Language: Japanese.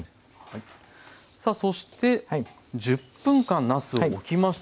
さあそして１０分間なすをおきました。